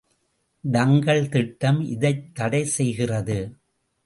டங்கல் திட்டம் இதைத் தடை செய்கிறது.